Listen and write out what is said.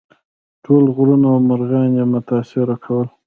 ټول غرونه او مرغان یې متاثر کول.